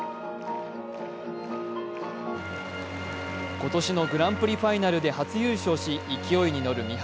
今年のグランプリファイナルで初優勝し、勢いに乗る三原。